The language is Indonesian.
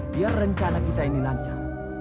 biar rencana kita ini lancar